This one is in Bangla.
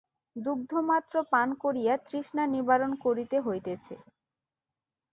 দুগ্ধমাত্র পান করিয়া তৃষ্ণা নিবারণ করিতে হইতেছে।